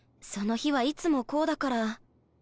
その日はいつもこうだから。